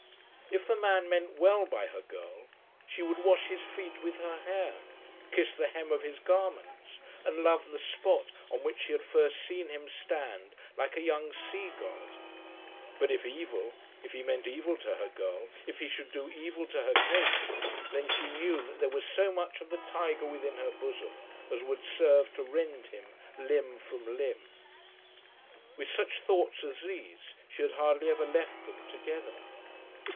If the man meant well by her girl, she would wash his feet with her hair, kiss the hem of his garments, and love the spot on which she had first seen him stand like a young sea god. But if evil, if he meant evil to her girl, if he should do evil to her Kate, then she knew that there was so much of the tiger within her bosom as would serve to rend him limb from limb. With such thoughts as these she had hardly ever left them together.